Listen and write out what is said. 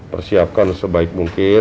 persiapkan sebaik mungkin